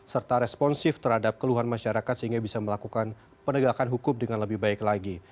serta responsif terhadap keluhan masyarakat sehingga bisa melakukan penegakan hukum dengan lebih baik lagi